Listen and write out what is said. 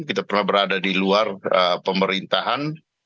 kita pernah berada di luar pemerintahan